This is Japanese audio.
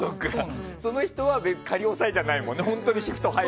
その人は仮押さえじゃないもんね。